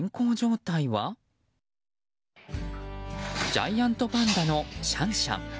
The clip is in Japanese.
ジャイアントパンダのシャンシャン。